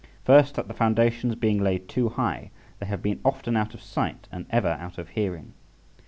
First, that the foundations being laid too high, they have been often out of sight and ever out of hearing.